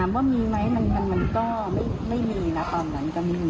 ว่ามีไหมมันก็ไม่มีนะตอนนั้นก็ไม่มี